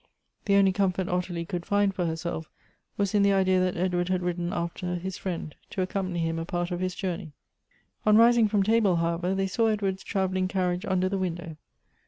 The only comfort Ottilie could find for her self was in the idea that Edward had ridden after his friend, to accompany him a part of his journey. On rising fi om table, however, they saw Edward's travelling carriage under the window.